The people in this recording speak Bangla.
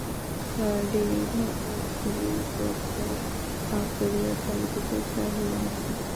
গাড়ির লোকগুলি বোধ হয় হা করিয়া তার দিকেই চাহিয়া আছে।